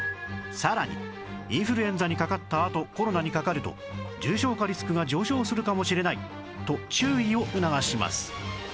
さらにインフルエンザにかかったあとコロナにかかると重症化リスクが上昇するかもしれないと注意を促します